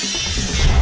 aku akan menghina kau